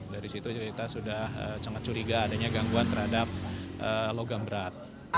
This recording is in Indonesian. dari situ kita sudah sangat curiga adanya gangguan terhadap logam berat